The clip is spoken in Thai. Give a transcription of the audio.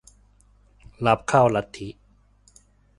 รับเข้าลัทธิ